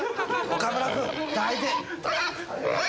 岡村君抱いて。